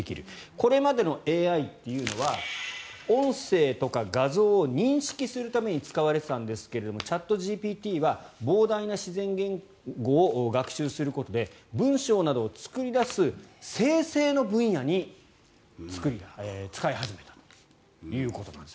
これまでのＡＩというのは音声とか画像を認識するために使われていたんですがチャットＧＰＴは膨大な自然言語を学習することで文章などを作り出す生成の分野に使い始めたということなんです。